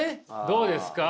どうですか？